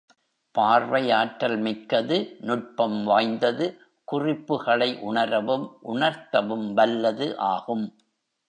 பார்வை ஆற்றல் மிக்கது நுட்பம் வாய்ந்தது குறிப்புகளை உணரவும் உணர்த்தவும் வல்லது ஆகும்.